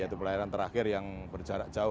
yaitu pelayaran terakhir yang berjarak jauh